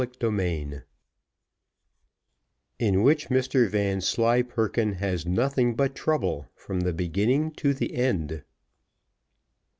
Chapter XXIV In which Mr Vanslyperken has nothing but trouble from the beginning to the end.